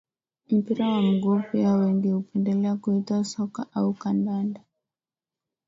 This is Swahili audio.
Mpira wa miguu pia wengi hupendelea kuita soka au kandanda